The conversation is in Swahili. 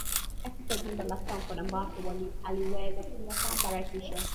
katika dimba la stanford ambapo aliweza kuwasambaratisha